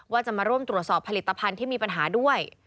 ว่าจะมาร่วมตรวจสอบผลิตภัณฑ์ที่มีปัญหาด้วย